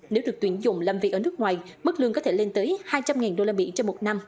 nếu được tuyển dụng làm việc ở nước ngoài mức lương có thể lên tới hai trăm linh usd trên một năm